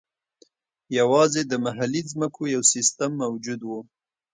یوازې د محلي ځمکو یو سیستم موجود و.